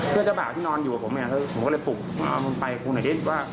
เพื่อเจ้าบ่าวที่นอนอยู่กับผมเนี่ยผมก็เลยปลุกเอามันไปคู่หน้าดินว่า